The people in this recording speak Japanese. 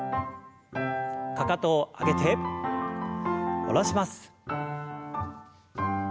かかとを上げて下ろします。